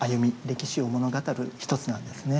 歴史を物語る一つなんですね。